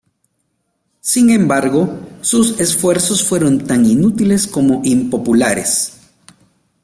Sin embargo, sus esfuerzos fueron tan inútiles como impopulares.